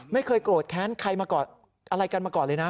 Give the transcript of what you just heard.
ไม่เคยโกรธแค้นใครมากอดอะไรกันมาก่อนเลยนะ